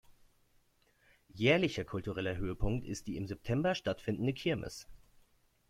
Jährlicher kultureller Höhepunkt ist die im September stattfindende Kirmes.